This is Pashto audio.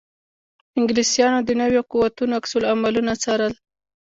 انګلیسیانو د نویو قوتونو عکس العملونه څارل.